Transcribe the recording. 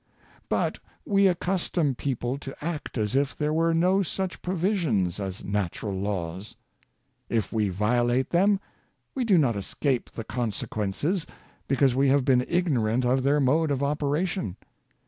But we accustom people to act as if there were no such provisions as natural laws. If we violate them, we do not escape the consequences because mo. have been ig norant of their mode of operation.